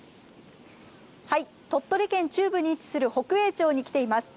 鳥取県中部に位置する北栄町に来ています。